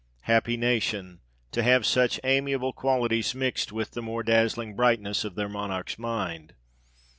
Happy nation ! to have such amiable qualities mixt with the more dazzling brightness of their Monarch's mind